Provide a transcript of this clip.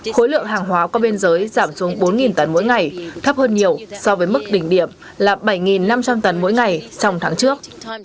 khối lượng hàng hóa qua biên giới giảm xuống bốn tấn mỗi ngày thấp hơn nhiều so với mức đỉnh điểm là bảy năm trăm linh tấn mỗi ngày trong tháng trước